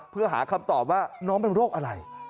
เพื่อหาคำตอบว่าน้องเป็นโรคอะไร